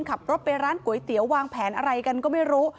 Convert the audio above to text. ขับรถไปร้านก๋วยเตี๋ยววางแผนอะไรกันก็ไม่รู้